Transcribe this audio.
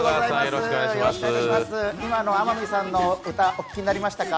今の天海さんの歌、お聴きになりましたか？